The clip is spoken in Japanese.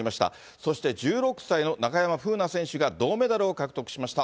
そして１６歳の中山楓奈選手が銅メダルを獲得しました。